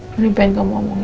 gue lebih pengen kamu omongin